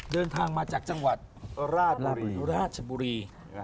เดินทางมาจากจังหวัดราชบุรี